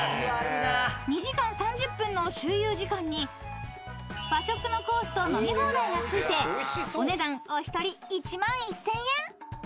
［２時間３０分の周遊時間に和食のコースと飲み放題が付いてお値段お一人１万１，０００円］